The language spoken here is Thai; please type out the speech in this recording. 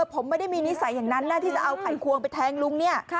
ผมไม่ได้มีนิสัยอย่างนั้นนะที่จะเอาไขควงไปแทงลุงเนี่ย